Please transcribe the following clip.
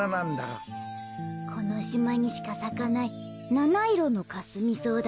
このしまにしかさかないなないろのカスミソウだ